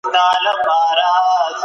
هیڅکله مه وایه چې زه دا کار نه شم کولای.